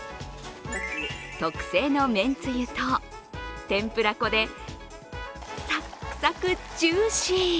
特製のめんつゆと、天ぷら粉でサックサクジューシー。